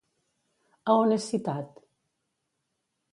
A on és citat?